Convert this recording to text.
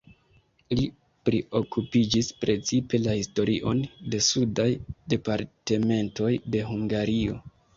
Li priokupiĝis precipe la historion de sudaj departementoj de Hungario.